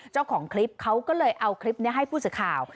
เจ้าของคลิปเขาก็เลยเอาคลิปนี้ให้ผู้สื่อข่าว